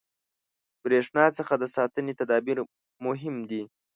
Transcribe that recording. • د برېښنا څخه د ساتنې تدابیر مهم دي.